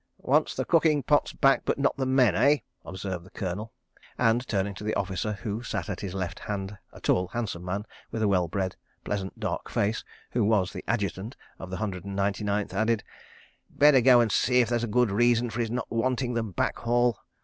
"Wants the cooking pots back, but not the men, eh?" observed the Colonel, and, turning to the officer who sat at his left hand, a tall, handsome man with a well bred, pleasant, dark face, who was Adjutant of the Hundred and Ninety Ninth, added: "Better go and see if there's good reason for his not wanting them back, Hall.